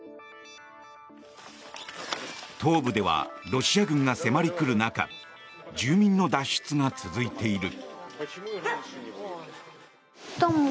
東部ではロシア軍が迫り来る中住民の脱出が続いている。